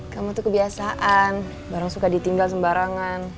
kamu tuh kebiasaan barang suka ditinggal sembarangan